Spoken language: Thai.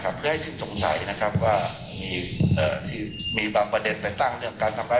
การเสียชีวิตเกิดขึ้นก่อนหรือหลังตกเรือ